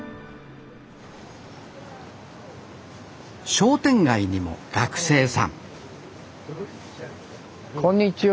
商店街にも学生さんこんにちは。